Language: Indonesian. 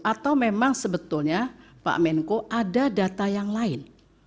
atau memang sebetulnya pak menko ada data yang lain